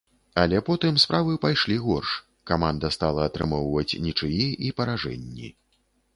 Але потым справы пайшлі горш, каманда стала атрымоўваць нічыі і паражэнні.